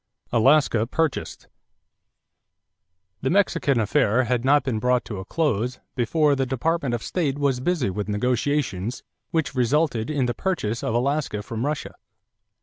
=Alaska Purchased.= The Mexican affair had not been brought to a close before the Department of State was busy with negotiations which resulted in the purchase of Alaska from Russia.